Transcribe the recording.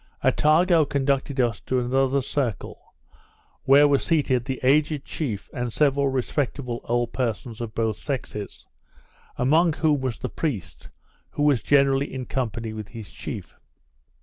Attago conducted us to another circle, where were seated the aged chief and several respectable old persons of both sexes; among whom was the priest, who was generally in company with this chief.